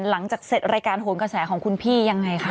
หลังจากเสร็จรายการโหนกระแสของคุณพี่ยังไงคะ